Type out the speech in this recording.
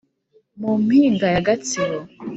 mu mpinga ya gatsibo,